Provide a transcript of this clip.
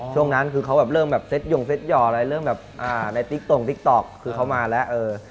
ช่วงนั้นคือเขาเริ่มแบบเซ็ตหย่องเซ็ตหย่อเริ่มแบบในติ๊กตกคือเขามาแล้ว